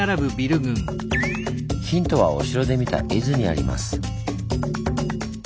ヒントはお城で見た絵図にあります。